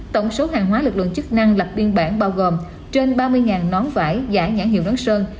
tổng số hàng hóa lực lượng chức năng lập biên bản bao gồm trên ba mươi nón vải giả nhãn hiệu nước sơn